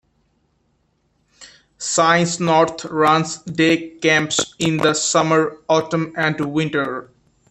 Science North runs day camps in the summer, autumn, and winter.